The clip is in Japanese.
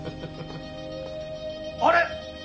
あれ？